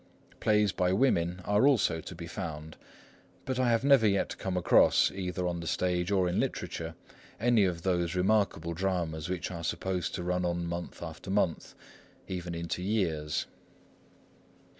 Plays by women are also to be found; but I have never yet come across, either on the stage or in literature, any of those remarkable dramas which are supposed to run on month after month, even into years.